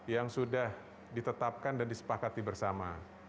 yang sudah ditetapkan dan disepakati bersama